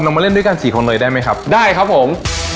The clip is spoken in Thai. มาเล่นด้วยกันสี่คนเลยได้ไหมครับได้ครับผม